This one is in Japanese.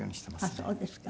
あっそうですか。